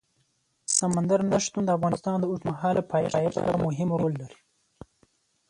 سمندر نه شتون د افغانستان د اوږدمهاله پایښت لپاره مهم رول لري.